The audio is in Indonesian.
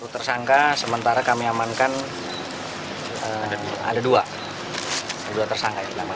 satu tersangka sementara kami amankan ada dua